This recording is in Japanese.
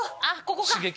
あっここか。